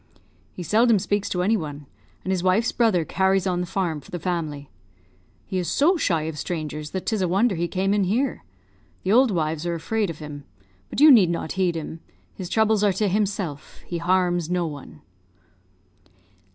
He seldom speaks to any one, and his wife's brother carries on the farm for the family. He is so shy of strangers that 'tis a wonder he came in here. The old wives are afraid of him; but you need not heed him his troubles are to himself, he harms no one."